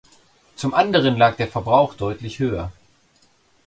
Zum anderen lag der Verbrauch deutlich höher.